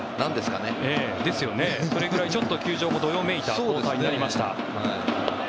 それくらい球場もどよめいた交代になりました。